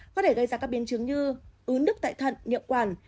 có thể gây ra các biên chứng như ứng đức tại thận niệu quản